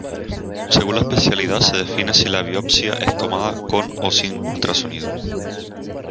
Según la especialidad se define si la biopsia es tomada con o sin ultrasonido.